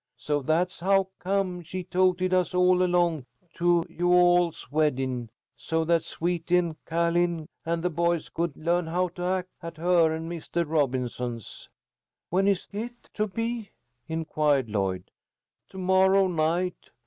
So that's how come she toted us all along to you all's weddin', so that Sweety and Ca'line and the boys could learn how to act at her and Mistah Robinson's." "When is it to be?" inquired Lloyd. "To morrow night.